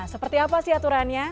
seperti apa sih aturannya